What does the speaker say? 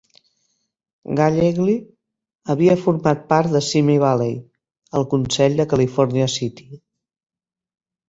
Gallegly havia format part de Simi Valley, al consell de California City.